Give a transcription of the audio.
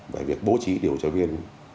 về việc bố trí điều tra viên